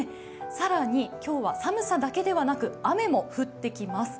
更に今日は寒さだけではなく雨も降ってきます。